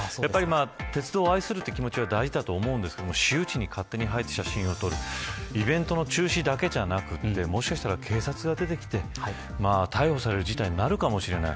鉄道を愛する気持ちは大事だと思いますが私有地に勝手に入って写真を撮るイベントの中止だけじゃなくってもしかしたら警察がでてきて逮捕される事態になるかもしれない。